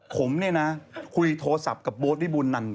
ผมเนี่ยนะคุยโทรศัพท์กับโบ๊ทวิบูลนัน